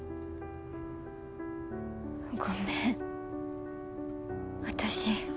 ごめん私。